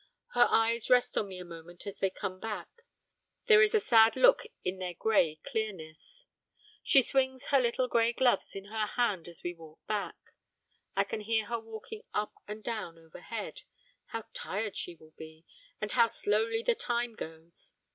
Her eyes rest on me a moment as they come back, there is a sad look in their grey clearness. She swings her little grey gloves in her hand as we walk back. I can hear her walking up and down overhead; how tired she will be, and how slowly the time goes.